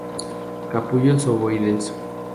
Capullos ovoides.